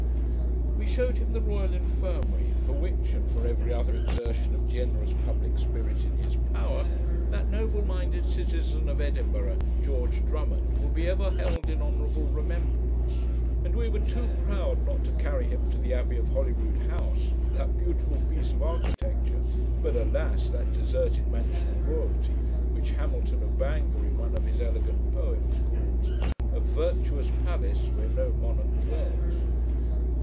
We shewed him the Royal Infirmary, for which, and for every other exertion of generous publick spirit in his power, that noble minded citizen of Edinburgh, George Drummond, will be ever held in honourable remembrance. And we were too proud not to carry him to the Abbey of Holyrood House, that beautiful piece of architecture, but, alas! that deserted mansion of royalty, which Hamilton of Bangour, in one of his elegant poems, calls A virtuous palace, where no monarch dwells.